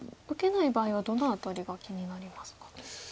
受けない場合はどの辺りが気になりますか？